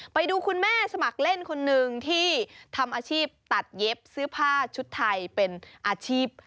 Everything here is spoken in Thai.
ไปดูคุณแม่สมัครเล่นคนหนึ่งที่ทำอาชีพตัดเย็บซื้อผ้าชุดไทยเป็นอาชีพ